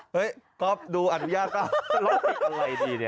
เฮ้ยก็ดูอนุญาตกล้องเพลงอะไรดีเนี่ย